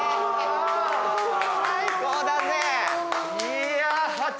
最高だぜ！